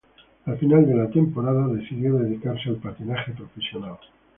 Al final de la temporada, decidió dedicarse al patinaje profesional.